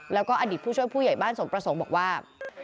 แล้วก็อดีตผู้ช่วยผู้ใหญ่บ้านสมประสงค์บอกว่า